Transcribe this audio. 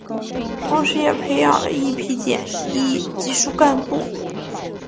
同时也培养了一批检疫技术干部。